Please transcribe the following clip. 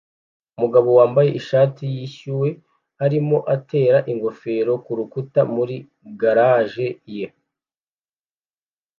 Umugabo wambaye ishati yishyuwe arimo atera ingofero kurukuta muri garage ye